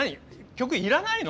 曲要らないの？